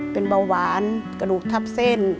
เป็นเบาหวานกระดูกทับเส้น